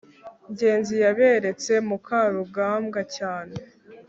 ngenzi yaberetse mukarugambwa cyane